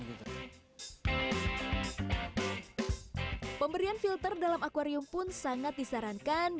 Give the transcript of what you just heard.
pemberian filter dalam akwarium pun sangat disarankan